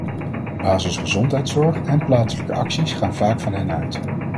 Basisgezondheidszorg en plaatselijke acties gaan vaak van hen uit.